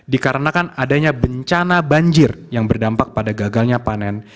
dikarenakan adanya bencana banjir yang berdampak pada gagalnya panen